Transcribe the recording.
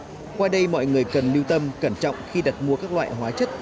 qua đây mọi người cần lưu tâm cẩn trọng khi đặt mua các loại hóa chất